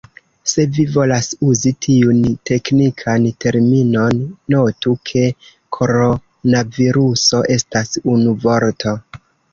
Se vi volas uzi tiun teknikan terminon, notu, ke koronaviruso estas unu vorto.